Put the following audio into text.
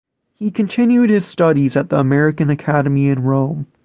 He continued his studies at the American Academy in Rome.